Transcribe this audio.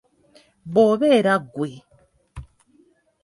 Bw'obeera ggwe?